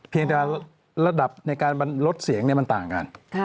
เพียงแต่ระดับในการลดเสียงมันต่างกัน